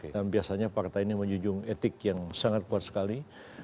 dan biasanya partai ini menjunjung etik yang sangat kuat sekali